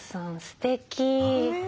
すてき。